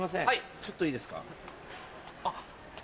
ちょっといいですか？